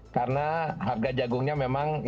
karena harga jagungnya memang yang diperlukan